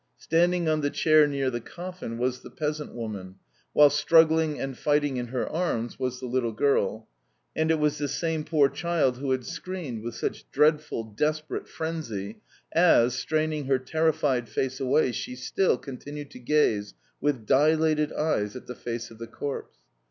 Standing on the chair near the coffin was the peasant woman, while struggling and fighting in her arms was the little girl, and it was this same poor child who had screamed with such dreadful, desperate frenzy as, straining her terrified face away, she still, continued to gaze with dilated eyes at the face of the corpse.